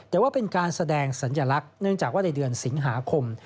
แต่ว่าเป็นการแสดงสัญลักษณ์เนื่องจากว่าในเดือนสิงหาคม